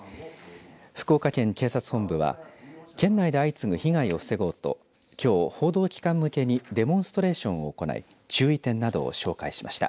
福岡県警察本部は県内で相次ぐ被害を防ごうときょう、報道機関向けにデモンストレーションを行い注意点などを紹介しました。